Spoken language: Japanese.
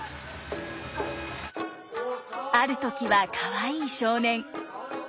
ある時はかわいい少年。